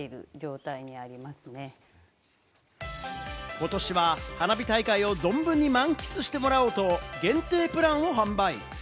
ことしは花火大会を存分に満喫してもらおうと、限定プランを販売。